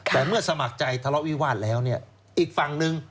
แต่เมื่อสมัครใจทะเลาะวิวาสแล้วเนี่ยอีกฝั่งหนึ่ง